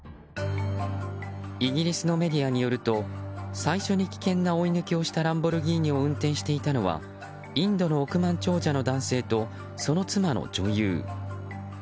イギリスのメディアによると最初に危険な追い抜きをしたランボルギーニを運転していたのはインドの億万長者の男性とその妻の女優。